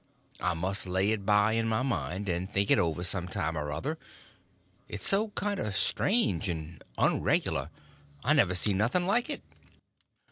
I must lay it by in my mind, and think it over some time or other, it's so kind of strange and unregular. I never see nothing like it.